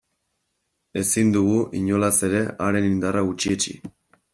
Ezin dugu, inolaz ere, haren indarra gutxietsi.